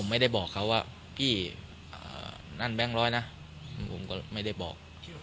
ไม่ได้บอกเขาว่าพี่นั่นแบงค์ร้อยนะผมก็ไม่ได้บอก